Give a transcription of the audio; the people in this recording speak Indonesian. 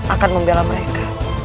akan membela mereka